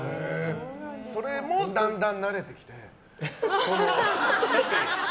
それもだんだん慣れてきて。